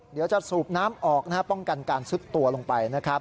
เดี๋ยวจะสูบน้ำออกป้องกันการสุดตัวลงไป